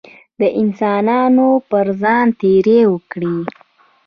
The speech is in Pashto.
د انسانانو پر ځان تېری وکړي.